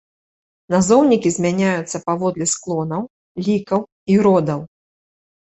Назоўнікі змяняюцца паводле склонаў, лікаў, і родаў.